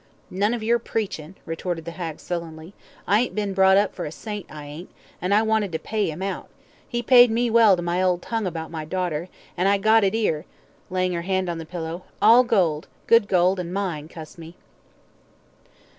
"None of yer preachin'," retorted the hag sullenly; "I ain't bin brought up for a saint, I ain't an' I wanted to pay 'im out 'e paid me well to 'old my tongue about my darter, an' I've got it 'ere," laying her hand on the pillow, "all gold, good gold an' mine, cuss me."